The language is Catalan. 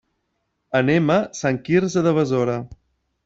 Anem a Sant Quirze de Besora.